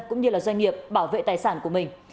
cũng như doanh nghiệp bảo vệ tài sản của mình